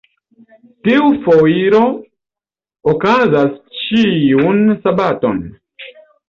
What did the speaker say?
Tiu foiro okazas ĉiun sabaton.